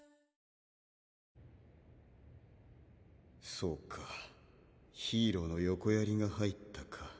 そうかヒーローの横槍が入ったか。